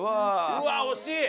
うわっ惜しい！